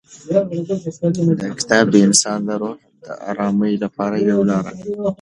دا کتاب د انسان د روح د ارامۍ لپاره یوه لاره ده.